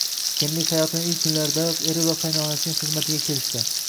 Kelinlik hayotining ilk kunlaridanoq eri va qaynonasining xizmatiga kirishdi